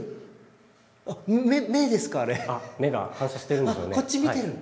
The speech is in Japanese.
目が反射してるんでしょうね。